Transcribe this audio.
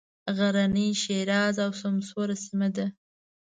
غرنۍ ښېرازه او سمسوره سیمه ده.